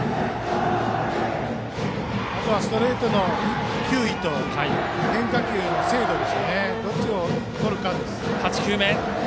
あとはストレートの球威と変化球の精度のどっちをとるかです。